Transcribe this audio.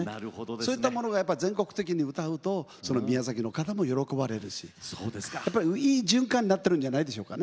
そういったものが全国的に歌うと宮崎の方も喜ばれるしいい循環になってるんじゃないでしょうかね。